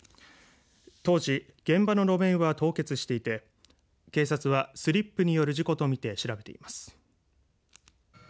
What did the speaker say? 当時、現場の路面は凍結していて警察はスリップによる事故と見て調べています。